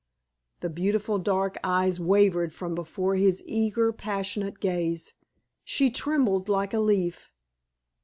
The beautiful dark eyes wavered from before his eager, passionate gaze; she trembled like a leaf.